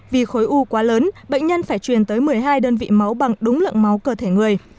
vì khối u quá lớn bệnh nhân phải truyền tới một mươi hai đơn vị máu bằng đúng lượng máu cơ thể người